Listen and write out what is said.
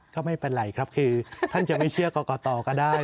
ก็ไม่เป็นไรครับคือท่านจะไม่เชื่อกรกตก็ได้